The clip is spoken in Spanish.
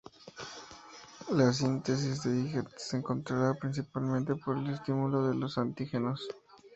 La síntesis de IgG se controla principalmente por el estímulo de los antígenos.